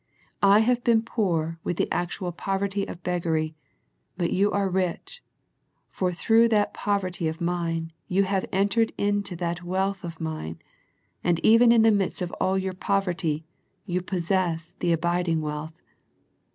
I have been poor with the actual poverty of beggary, but you are rich, for through that poverty of Mine, you have en tered into that wealth of Mine, and even in the midst of all your poverty, you possess the abiding wealth.